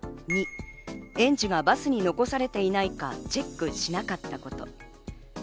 ２、園児がバスに残されていないかチェックしなかったこと。